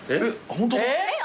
ホントだ。